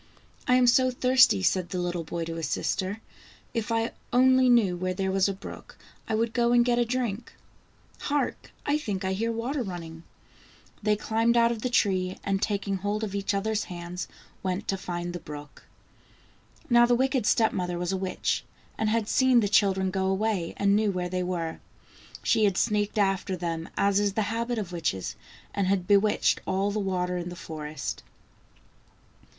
" I am so thirsty," said the little boy to his sister. "If I only knew where there was a brook, I would go and get a drink. Hark! I think I hear water running." They climbed out of the tree, and taking hold of each other's hands, went to find the brook. Now the wicked step mother was a witch, and had seen the children go away, and knew where they were. She had sneaked after them, as is the habit of witches, and had bewitched all the water in the forest.